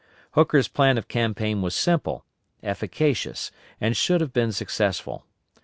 Hooker's plan of campaign was simple, efficacious, and should have been successful.